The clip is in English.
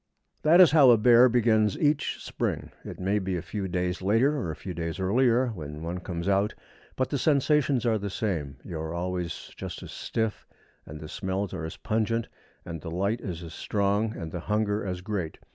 That is how a bear begins each spring. It may be a few days later or a few days earlier when one comes out; but the sensations are the same. You are always just as stiff, and the smells are as pungent, and the light is as strong, and the hunger as great.